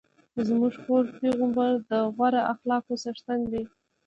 زموږ خوږ پیغمبر د غوره اخلاقو څښتن دی.